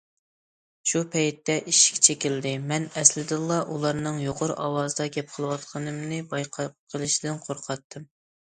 شۇ پەيتتە ئىشىك چېكىلدى، مەن ئەسلىدىنلا ئۇلارنىڭ يۇقىرى ئاۋازدا گەپ قىلىۋاتقىنىمنى بايقاپ قېلىشىدىن قورقاتتىم.